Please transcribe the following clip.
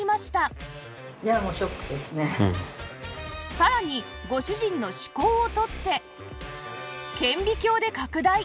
さらにご主人の歯垢を取って顕微鏡で拡大